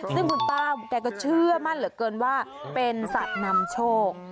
ซึ่งคุณป้าแกก็เชื่อมั่นเหลือเกินว่าเป็นสัตว์นำโชค